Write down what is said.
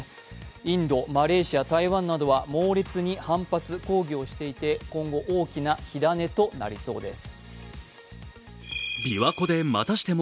インド、マレーシア、台湾などは猛烈に反発、抗議をしていて今後、大きな火種となりそうです。